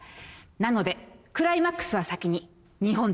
なのでクライマックスは先に日本で撮ります。